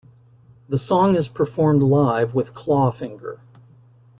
The song is performed live with Clawfinger.